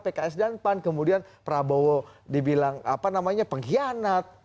pks dan pan kemudian prabowo dibilang pengkhianat